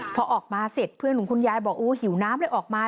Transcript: พอออกมาเสร็จเพื่อนของคุณยายบอกโอ้หิวน้ำเลยออกมา